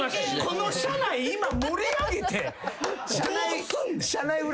この車内今盛り上げてどうすんねん！